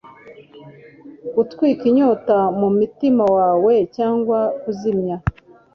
Gutwika inyota mumutima wawe cyangwa kuzimya